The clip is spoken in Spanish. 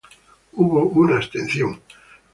Hubo una abstención.